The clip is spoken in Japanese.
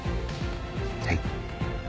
はい。